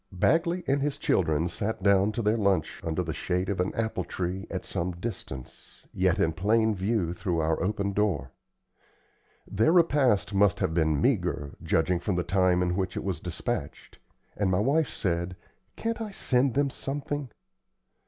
Bagley and his children sat down to their lunch under the shade of an apple tree at some distance, yet in plain view through our open door. Their repast must have been meagre, judging from the time in which it was despatched, and my wife said, "Can't I send them something?"